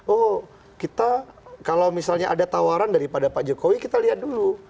oh kita kalau misalnya ada tawaran daripada pak jokowi kita lihat dulu